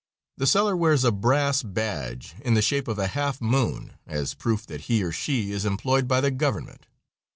The seller wears a brass badge in the shape of a half moon as proof that he or she is employed by the government.